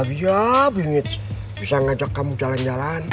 gak bahagia bingit bisa ngajak kamu jalan jalan